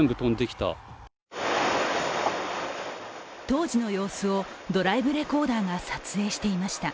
当時の様子をドライブレコーダーが撮影していました。